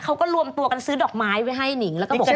เขาก็ร่วมตัวกันซื้อดอกไม้ไว้ให้หนิ่ง